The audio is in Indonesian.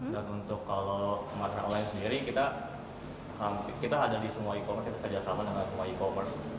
dan untuk kalau pemasaran online sendiri kita ada di semua e commerce kita kerjasama dengan semua e commerce